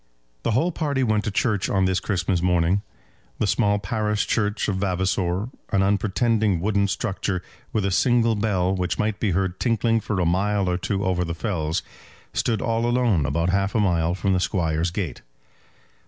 The whole party went to church on this Christmas morning. The small parish church of Vavasor, an unpretending wooden structure, with a single bell which might be heard tinkling for a mile or two over the fells, stood all alone about half a mile from the Squire's gate.